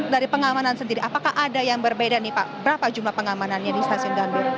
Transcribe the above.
dari pengamanan sendiri apakah ada yang berbeda nih pak berapa jumlah pengamanannya di stasiun gambir